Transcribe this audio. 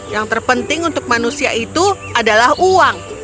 yang terpenting untuk manusia itu adalah uang